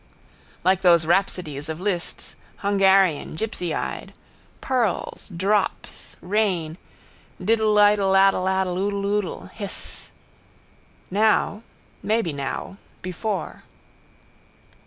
Like those rhapsodies of Liszt's, Hungarian, gipsyeyed. Pearls. Drops. Rain. Diddleiddle addleaddle ooddleooddle. Hissss. Now. Maybe now. Before.